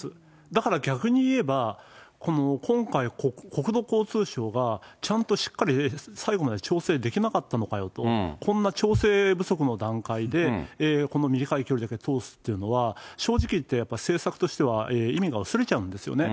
だから逆に言えば、今回、国土交通省がちゃんとしっかり最後まで調整できなかったのかよと、こんな調整不足の段階で、この短い距離だけ通すっていうのは、正直言って、政策としては意味が薄れちゃうんですよね。